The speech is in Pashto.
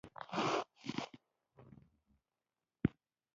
زه خوشبین یم چي ته به د سپینو زرو مډال وګټې.